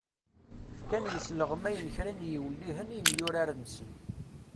Fkan yisleɣmayen kra n yiwellihen i yemyurar-nsen.